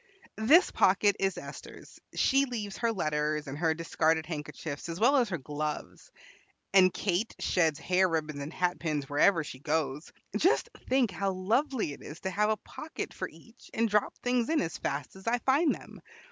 "This pocket is Esther's. She leaves her letters and her discarded handkerchiefs, as well as her gloves. And Kate sheds hair ribbons and hatpins wherever she goes. Just think how lovely it is to have a pocket for each, and drop things in as fast as I find them.